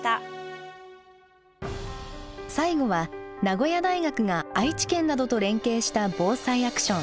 最後は名古屋大学が愛知県などと連携した「ＢＯＳＡＩアクション」。